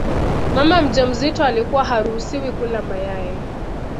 Mama mjamzito alikuwa haruhusiwi kula mayai